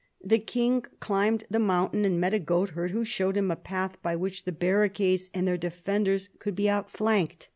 The King climbed the mountain and met a goatherd, who showed him a path by which the barricades and their defenders could be out flanked.